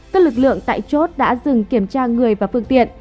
các lực lượng tại chốt đã dừng kiểm tra người và phương tiện